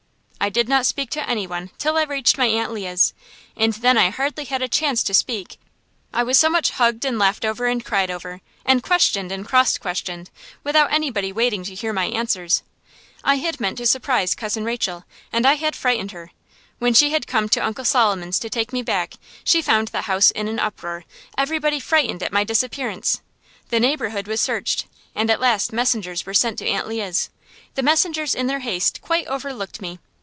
I did not speak to any one till I reached my Aunt Leah's; and then I hardly had a chance to speak, I was so much hugged and laughed over and cried over, and questioned and cross questioned, without anybody waiting to hear my answers. I had meant to surprise Cousin Rachel, and I had frightened her. When she had come to Uncle Solomon's to take me back, she found the house in an uproar, everybody frightened at my disappearance. The neighborhood was searched, and at last messengers were sent to Aunt Leah's. The messengers in their haste quite overlooked me.